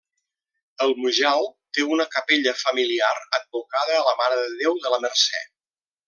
El Mujal té una capella familiar advocada a la Mare de Déu de la Mercè.